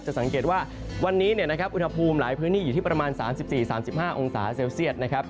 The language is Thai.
สังเกตว่าวันนี้อุณหภูมิหลายพื้นที่อยู่ที่ประมาณ๓๔๓๕องศาเซลเซียตนะครับ